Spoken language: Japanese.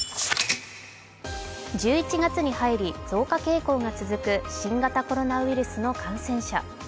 １１月に入り、増加傾向が続く新型コロナウイルスの感染者。